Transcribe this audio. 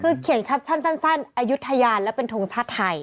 คือเขียนแคปชั่นสั้นอายุทยาและเป็นทงชาติไทย